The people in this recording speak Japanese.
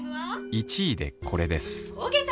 １位でこれです